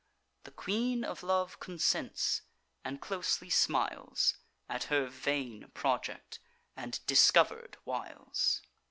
The Queen of Love consents, and closely smiles At her vain project, and discover'd wiles.